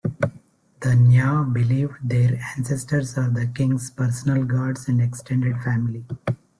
The Nyaw believed their ancestors are the king's personal guards and extended family.